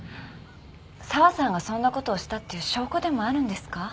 沢さんがそんなことをしたっていう証拠でもあるんですか？